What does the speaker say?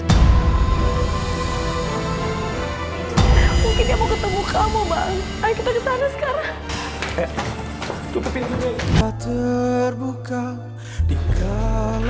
mungkin dia mau ketemu kamu bang